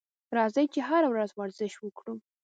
راځئ چې هره ورځ ورزش وکړو.